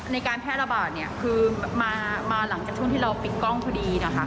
ในการแพร่ระบาดเนี่ยคือมาหลังจากช่วงที่เราปิดกล้องพอดีนะคะ